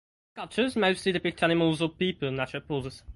His sculptures mostly depict animals or people in natural poses.